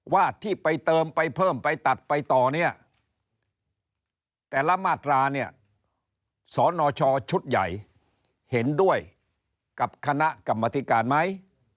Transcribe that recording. ว่าที่ไปเติมไปเพิ่มไปตัดไปต่อเนี่ยแต่ละมาตราเนี่ยสนชชุดใหญ่เห็นด้วยกับคณะกรรมธิการไหม